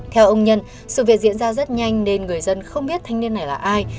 theo ông nhân sự việc diễn ra rất nhanh nên người dân không biết thanh niên này là ai